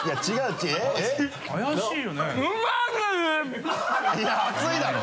いや熱いだろう！